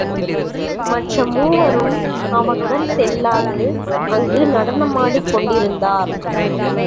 மற்ற மூவரும் அவனுடன் செல்லாது அங்கு நடனமாடிக் கொண்டிருந்தனர்.